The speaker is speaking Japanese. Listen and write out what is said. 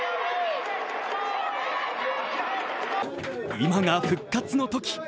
今が復活のとき！